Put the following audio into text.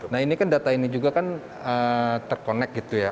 nah ini kan data ini juga kan terkonek gitu ya